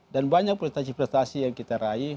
dan banyak prestasi prestasi yang kita raih